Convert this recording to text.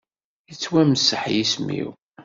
Ittwamseḥ yism-iw.